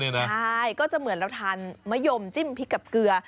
ใช่ก็จะเหมือนเราทานมะยมจิ้มพริกกับเกลือ